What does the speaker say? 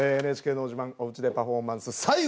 「ＮＨＫのど自慢おうちでパフォーマンス」